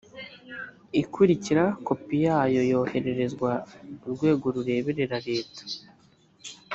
ikurikira kopi yayo yohererezwa urwego rureberera leta